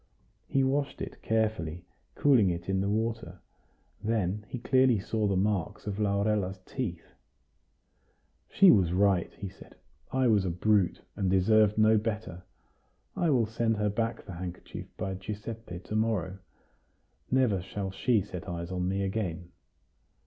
He washed it carefully, cooling it in the water; then he clearly saw the marks of Laurella's teeth. "She was right," he said; "I was a brute, and deserved no better. I will send her back the handkerchief by Giuseppe to morrow. Never shall she set eyes on me again."